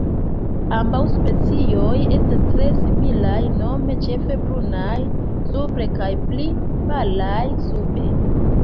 Ambaŭ specioj estas tre similaj, nome ĉefe brunaj supre kaj pli palaj sube.